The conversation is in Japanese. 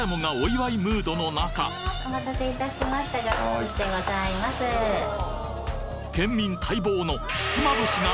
すると、お待たせいたしました。